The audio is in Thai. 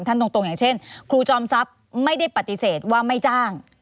ตรงอย่างเช่นครูจอมทรัพย์ไม่ได้ปฏิเสธว่าไม่จ้าง